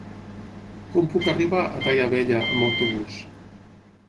Com puc arribar a Daia Vella amb autobús?